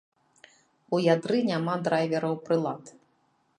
У ядры няма драйвераў прылад.